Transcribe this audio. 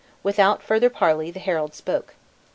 Without further parley the herald spoke.